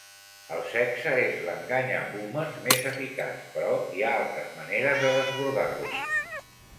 El sexe és l'enganyaboomers més eficaç, però hi ha altres maneres de desbordar-los.